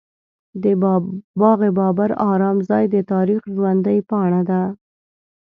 د باغ بابر ارام ځای د تاریخ ژوندۍ پاڼه ده.